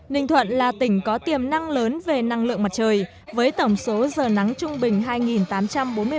ninh thuận là tỉnh có tiềm năng lớn về năng lượng mặt trời với tổng số giờ nắng trung bình hai tám trăm bốn mươi ba giờ trên một năm cao nhất cả nước